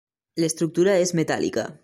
L'estructura és metàl·lica.